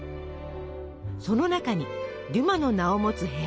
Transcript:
その中にデュマの名を持つ部屋も。